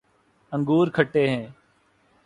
انگور کھٹے ہیں